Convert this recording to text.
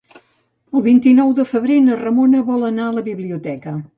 El vint-i-nou de febrer na Ramona vol anar a la biblioteca.